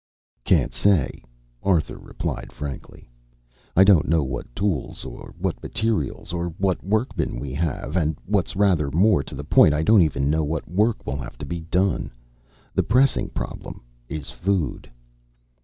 "Can't say," Arthur replied frankly. "I don't know what tools, what materials, or what workmen we have, and what's rather more to the point, I don't even know what work will have to be done. The pressing problem is food."